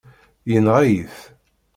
Yenɣa-yi-t.